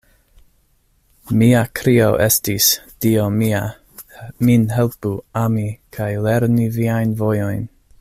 Mia krio estis, Dio mia, min helpu ami kaj lerni Viajn vojojn.